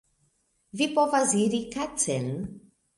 Vi povas iri kacen